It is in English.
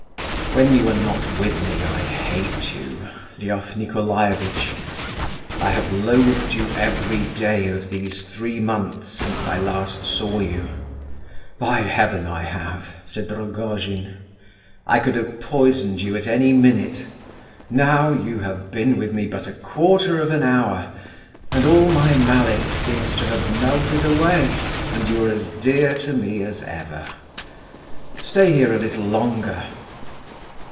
"When you are not with me I hate you, Lef Nicolaievitch. I have loathed you every day of these three months since I last saw you. By heaven I have!" said Rogojin. "I could have poisoned you at any minute. Now, you have been with me but a quarter of an hour, and all my malice seems to have melted away, and you are as dear to me as ever. Stay here a little longer."